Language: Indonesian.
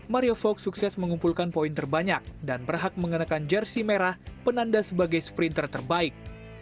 mario fox sukses mengumpulkan poin terbanyak dan berhak mengenakan jersi merah penanda sebagai sprinter terbaik